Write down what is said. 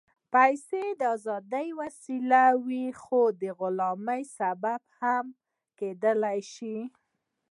پېسې د ازادۍ وسیله وي، خو د غلامۍ سبب هم کېدای شي.